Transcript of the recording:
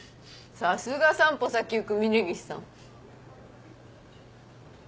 さすが３歩先行く峰岸さん。